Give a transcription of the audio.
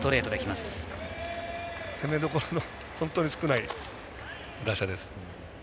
攻めどころの本当に少ない打者です。